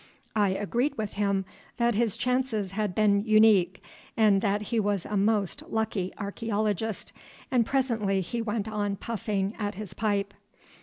I agreed with him that his chances had been unique and that he was a most lucky archæologist, and presently he went on puffing at his pipe.